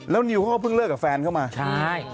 แล้วนิวเขาก็เพิ่งเลิกกับแฟนเข้ามาใช่